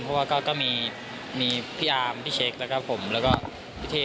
เพราะว่าก็มีพี่อาร์มพี่เช็คแล้วก็ผมแล้วก็พี่เท่